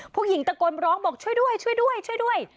ผู้หญิงตะโกนร้องบอกช่วยด้วยช่วยด้วยช่วยด้วย